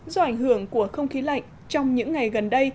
do ảnh hưởng của không khí lạnh trong những ngày gần đây